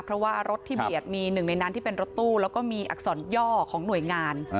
เพราะว่ารถที่เบียดมีหนึ่งในนั้นที่เป็นรถตู้แล้วก็มีอักษรย่อของหน่วยงาน